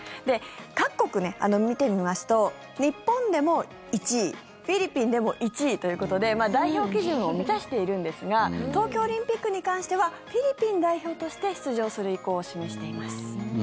各国、見てみますと日本でも１位フィリピンでも１位ということで代表基準を満たしているんですが東京オリンピックに関してはフィリピン代表として出場する意向を示しています。